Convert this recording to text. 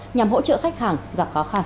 nhằm hỗ trợ khách hàng